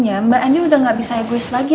kan itu artinya mbak andien udah gak bisa egois lagi